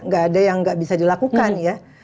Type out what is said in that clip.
gak ada yang nggak bisa dilakukan ya